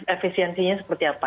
efisiensinya seperti apa